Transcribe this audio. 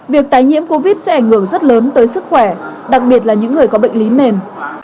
việc tái nhiễm covid sẽ ảnh hưởng rất lớn tới sức khỏe đặc biệt là những người có bệnh lý nền